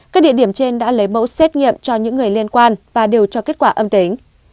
các địa điểm trên đã lấy mẫu xét nghiệm cho những người liên quan và đều cho kết quả âm tính